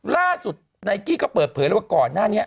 ล่าสุดไนกี้ก็เปิดเผยแล้วก่อน